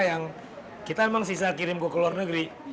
yang kita memang sisa kirim ke luar negeri